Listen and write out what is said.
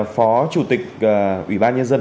phó chủ tịch ủy ban nhân dân